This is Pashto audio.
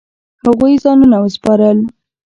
هغوی ځانونه وسپارل.